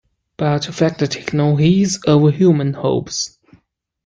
But fact takes no heed of human hopes.